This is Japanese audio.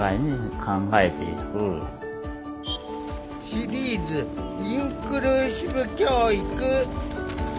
シリーズ「インクルーシブ教育」。